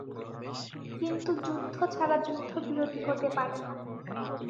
কিন্তু যুদ্ধ ছাড়া যুদ্ধবিরতি হতে পারে না।